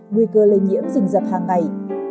nguy cơ lây nhiễm dình dập hàng ngày